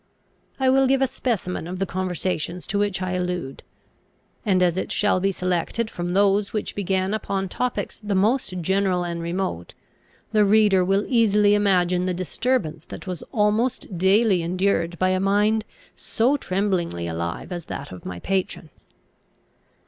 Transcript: I will give a specimen of the conversations to which I allude; and, as it shall be selected from those which began upon topics the most general and remote, the reader will easily imagine the disturbance that was almost daily endured by a mind so tremblingly alive as that of my patron.